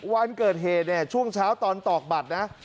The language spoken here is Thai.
วันเกิดเหตุเนี่ยช่วงเช้าตอนตอกบัตรนะ